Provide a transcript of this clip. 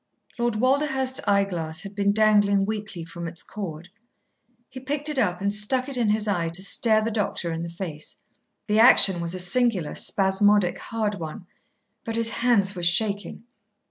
Lord Walderhurst's eyeglass had been dangling weakly from its cord. He picked it up and stuck it in his eye to stare the doctor in the face. The action was a singular, spasmodic, hard one. But his hands were shaking.